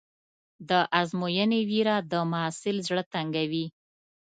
د ازموینې وېره د محصل زړه تنګوي.